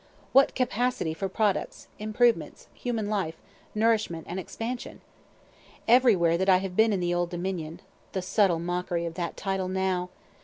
What capacity for products, improvements, human life, nourishment and expansion. Everywhere that I have been in the Old Dominion, (the subtle mockery of that title now!)